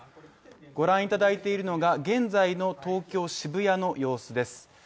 御覧いただいているのが現在の東京・渋谷の様子です。